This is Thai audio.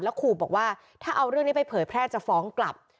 ขู่บอกว่าถ้าเอาเรื่องนี้ไปเผยแพร่จะฟ้องกลับ